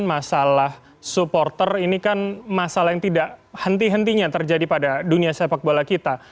masalah supporter ini kan masalah yang tidak henti hentinya terjadi pada dunia sepak bola kita